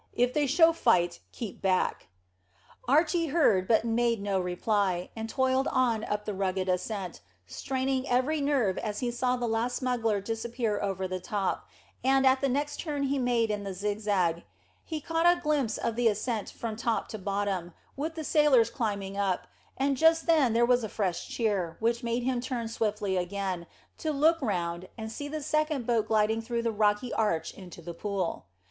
If they show fight, keep back." Archy heard, but made no reply, and toiled on up the rugged ascent, straining every nerve as he saw the last smuggler disappear over the top, and, at the next turn he made in the zigzag, he caught a glimpse of the ascent from top to bottom, with the sailors climbing up, and just then there was a fresh cheer, which made him turn swiftly again, to look round and see the second boat gliding through the rocky arch into the pool.